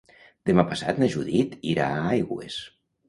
Demà passat na Judit irà a Aigües.